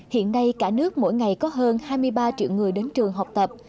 hiện nay cả nước mỗi ngày có hơn hai mươi ba triệu người đến trường học tập